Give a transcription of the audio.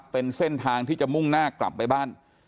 เป็นเส้นทางที่จะมุ่งหน้ากลับไปบ้าน